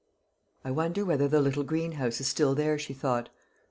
"I wonder whether the little greenhouse is there still?" she thought.